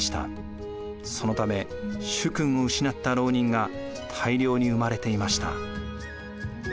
そのため主君を失った牢人が大量に生まれていました。